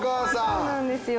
そうなんですよ。